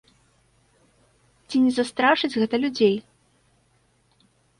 Ці не застрашыць гэта людзей?